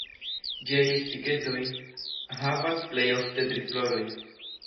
Ĝiaj Spiketoj havas plej ofte tri floroj.